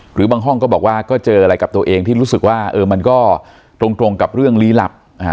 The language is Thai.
หรือบางห้องก็บอกว่าก็เจออะไรกับตัวเองที่รู้สึกว่ามันก็ตรงกับเรื่องลี้ลับ